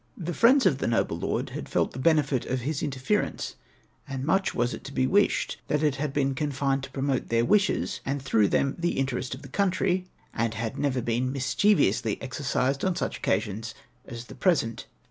The friends of the noble lord had felt the benefit of his inter ference, and much was it to be wished that it had been con fined to promote their wishes, and through them the interest of the country, and had never been mischievously exercised on such occasions as the present.